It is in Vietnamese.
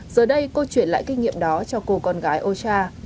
giờ đây cô chuyển lại kinh nghiệm đó cho cô con gái oisha